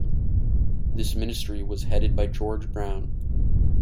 This Ministry was headed by George Brown.